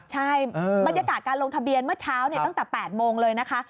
ใช่บรรยากาศการลงทะเบียนเมื่อเช้าตั้งแต่๘โมงเลยนะคะ